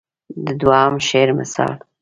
د دوهم شعر مثال.